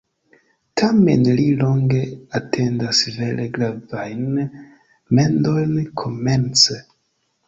Tamen li longe atendas vere gravajn mendojn komence.